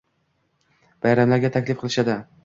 bayramlarga taklif qilishadi.